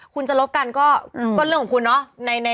คุณจะลบกันก็เรื่องของคุณเนาะ